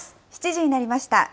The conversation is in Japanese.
７時になりました。